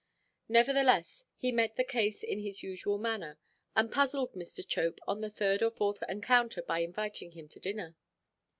Nevertheless, he met the case in his usual manner, and puzzled Mr. Chope on the third or fourth encounter by inviting him to dinner.